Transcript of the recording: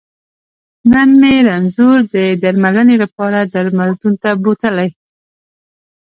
نن مې رنځور د درمنلې لپاره درملتون ته بوتلی